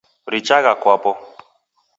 Richagha kwapo